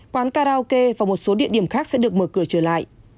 quán karaoke và một số địa điểm khác sẽ được mở cửa trở lại